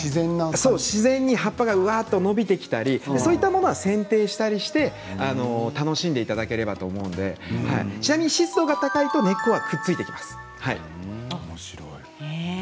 自然に葉っぱがうわっと伸びてきたりそういったものをせんていしたりして楽しんでいただければと思うのでちなみに湿度が高いとおもしろい。